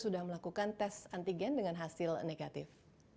sudah melakukan tes antigen dengan hasil negatif